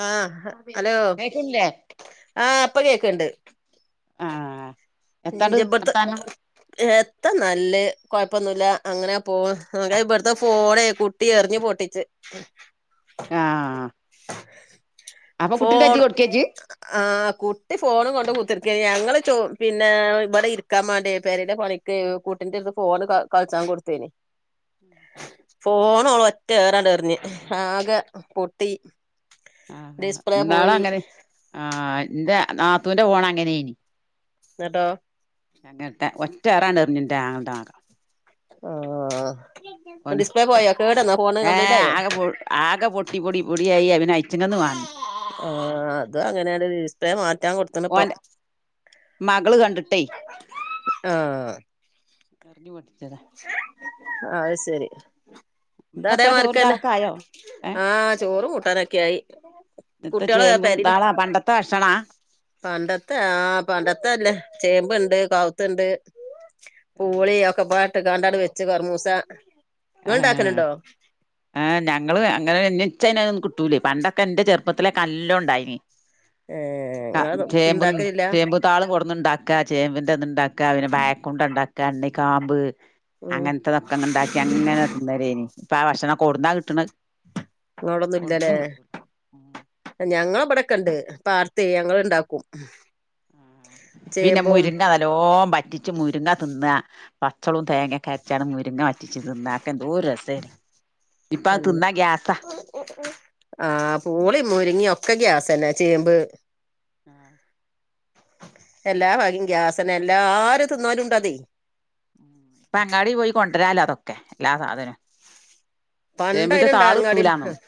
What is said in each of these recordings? ആഹ് hello കേക്ക്ണില്ലേ ആഹ് പ്പ കേക്ക്‌ണ്ട് ആഹ് എത്താണ്ട് ന്റെ ബട്ത്തെ വർത്താനം എത്ത നല്ലഹ് കൊഴപ്പൊന്നുല്ല അങ്ങനെ പോണ് [unintelligible] ഇബട്ത്തെ ഫോണെയ് കു ട്ടി എറിഞ്ഞ് പൊട്ടിച്ച് ആഹ് ആഹ് അപ്പ ഫോൺ കുട്ടിന്റജ്ജ്ക്കൊട്ക്കെജ്ജ് ആഹ് കുട്ടി ഫോൺ കൊണ്ട് കുത്തിര്ക്കേയ്നി ഞങ്ങള് ചോ പിന്നെ ഇബടെ ഇരിക്കാൻ മാണ്ടി പെരടെ പണി ട്ടേയ്ക്ക്‌ കുട്ടിന്റെട്ത്ത് ഫോണ് ക കളിച്ചാൻ കൊട്ത്തീനി ഫോണോള് ഒറ്റേറാണ്ട് എറിഞ്ഞ് ആകെ പൊ ട്ടി ന്നാള് അങ്ങനെ ആഹ് ഇന്റെ നാത്തൂന്റെ ഫോണ് അങ്ങനെയ്നി ന്ന്ട്ടോ ട്ടങ്ങട്ട് ഒറ്റേറാണ്ടെർഞ്ഞു ന്റെ ആങ്ങൾന്റെ മകം ആഹ് ഓൻ ഡിസ്പ്ലേ പോയോ കേടന്നോ ഫോണ് ഏ കംപ്ലൈന്റ് ആയോ ആകെ പൊ ആകെ പൊട്ടി പൊടി പൊടിയായി അഹ് പിന്നെ അയ്ച്ച്ങ്ങന്ന് വാങ്ങി ആഹ് അത് അങ്ങനെയാണ്ട് ഡിസ്പോ മാറ്റാൻ കൊട്ത്ത്ണ് ഇപ്പോ ഓന്റെ മകള് കണ്ട്ട്ടെയ് ആഹ് എർഞ്ഞു പൊട്ടി അഹ് സെരി തു അതേ ഇന്നത്തെ ചോറും മാരിക്കന്നെ ചാറൊക്കെ ആയോ ഏഹ് ആഹ് ചോറും കൂട്ടാനൊക്കെ ആയി ഇപ്പോ കുട്ടികള് ചേമ്പും പെരേലാ താളാ പണ്ടത്തെ ഭക്ഷണാ പണ്ടത്തെ ആഹ് പണ്ടത്തല്ലേ ചേമ്പ്ണ്ട് കാവ്ത്ത്ണ്ട് പൂളി ഒക്കെ ഇട്ട് കണ്ടാട് വെച്ച് കുറമൂസ ആഹ ആ ഞങ്ങള് അങ്ങനെച്ച ഒന്ന് കിട്ടൂലേ പണ്ടൊക്കെ എന്റെ ചെറുപ്പത്തില ല്ലോ ഉണ്ടായിന് ഏ ഇങ്ങളെ ഉണ്ടാക്കലില്ലേ ചേമ്പ് താള് കൊടന്നുണ്ടാക്കാ ചേമ്പിന്റെ ഇത് ഇണ്ടാക്ക പിന്നെ ബായ കൊണ്ട ഉണ്ടാക്ക ഇ ണ്ണികാമ്പ് ഉം അങ്ങനത്തെതൊക്കെങ് ഇണ്ടാക്കി അങ്ങനെ തി ന്നല യി നി ഇപ്പ ആ ഭക്ഷണക്കെ എബിടന്നാ കിട്ടണ് ഇങ്ങോടൊന്നും ഇല്ലല്ലേ ഞങ്ങള ഇവിടെക്കെ ഇണ്ട് പാത്ത് ഞങ്ങളൊക്കെ ഇണ്ടാക്കും പിന്നെ ചേമ്പും മുരിങ്ങ നല്ലോ വറ്റിച്ച് മുരിങ്ങ തിന്ന പച്ചളും തേങ്ങക്കെ അരച്ചാണ് മുരിങ്ങ വറ്റിച്ച് തിന്നുക എന്തരു രസയ്നിം ഇപ്പ തിന്ന ഗ്യാസ ആഹ് പൂളീം മുരിങ്ങിയ ഒക്കെ ഗ്യാസ തന്നെ ചേമ്പ് ആഹ എല്ലാ ഭഗ്യം ഗ്യാസനെ എല്ലാരും തിന്നാലും ഇണ്ടതെ ഇപ്പൊ അങ്ങാടി പോയി കൊണ്ടരാലോ അതൊക്കെ എല്ലാ സാധനവും പണ്ട് ചേമ്പിന്റെ അതിനുണ്ട് താൾ അങ്ങാടി കിട്ടൂലന്നള്ളൂ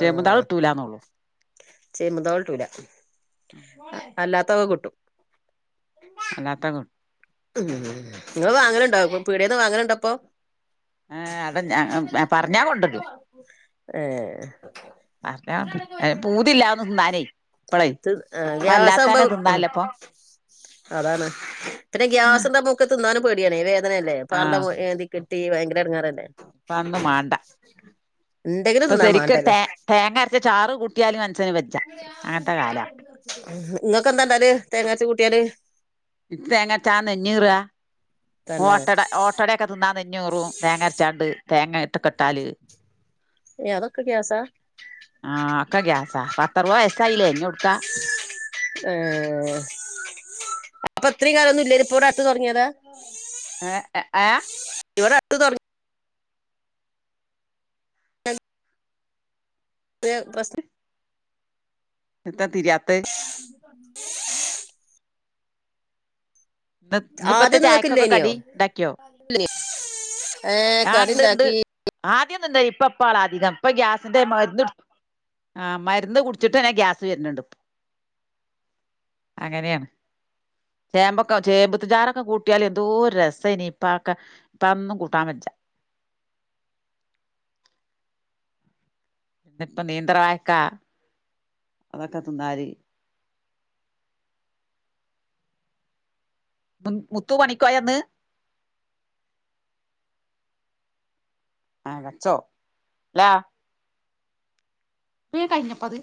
ചേമ്പിൻ താൾ കിട്ടൂലന്നള്ളു ചേമ്പിൻ താൾകിട്ടൂല അല്ലാത്തക്കെ കിട്ടും അല്ലാത്ത കിട്ടും ഉം നിങ്ങള് വാങ്ങലുണ്ടോ പീടെന്ന് വാങ്ങലു ണ്ടോപ്പൊ ഏഹ് അടെ പറഞ്ഞാ കൊണ്ടരും ഏഹ് അല്ലണ്ട് പൂതില്ലന്ന് തിന്നനേ ഇപ്പളേ ഇപ്പ ഗ്യാസാകുമ്പോ അല്ലാത്തനെ ഉം തിന്നാലപ്പൊ അതാണ് പിന്നെ ഗ്യാസ്ണ്ടാ കുമ്പോഒക്കെ തിന്നാനും പേടിയണേേ അനല്ലേ ആഹ് [unintelligible] കിട്ടി ഭയങ്കര ഇടങ്ങാറല്ലേ ഇപ്പ അതൊന്നും മാണ്ട ഇണ്ടെങ്കിലും ഇപ്പൊ തിന്നാ ശരിക്ക് വേണ്ടത് തേ തേങ്ങ അരച്ച ചാറ് കൂട്ടിയാലും മൻസന് വെജ്ജ അങ്ങൻത്തെ കാലാ ഇങ്ങക്ക് എന്താണ്ടല് തേങ്ങാരച്ച കൂട്ടിയല് ഇ തേങ്ങരചാ നെഞ്ഞീറ തന്നെ ഓട്ടട ഓ ട്ടടയൊക്കെ തിന്നാ നെഞ്ഞൂറും തേങ്ങ അരച്ചാണ്ട് തേങ്ങ ഇട്ട് കെട്ടാല് ഏ അതൊക്കെ ഗ്യാസാ ആ ഒക്കെ ഗ്യാസാ പത്ത അറുപതു വയസായില്ലേ ഞ് എ ടുക്കാ ആ അപ്പൊ ഇത്രയും കാലന്നും ഇല്ലയിനോ ഇപ്പോഅട് ത്ത് തുടങ്ങിയതാ ഏ ആ ഇവിടെ അടുതു തുടങ്ങു ങ്ങിയ പ്രശ്ന എന്താ തിരിയാത്ത ഇന്ന് ഇപ്പത്തെ ആദ്യം നിങ്ങക്ക് ചായക്കൊക്കെ ഇല്ലേനിയോ കടി ഉണ്ടാക്കിയോ ഏ ആഹ കടി ഉണ്ട് ഇണ്ട് ഉണ്ടാക്കി ആദ്യംന്ത ഇപ്പപ്പാൾ അധികം ഇപ്പൊ ഗ്യാസിന്റെമരുന്ന് ആഹ് മരുന്ന് കുടിച്ചിട്ടന്നെ ഗ്യാസ് വരുന്നുണ്ട് അങ്ങനെയാണ് ചേമ്പ ചേമ്പുത്തചാറൊക്കെ കൂട്ടിയാല് എന്തോ രസമായിന ഇപ്പൊക്കെ ഇപ്പൊന്നും കൂട്ടൻ പറ്റില്ല നപ്പോ നെ ന്ത്രവായക്കാ അതൊക്കെ തിന്നാല് മു മുത്തു പണിക്ക് പൊയോന്ന് ആ [unintelligible] വ കഴിഞ്ഞപ്പത്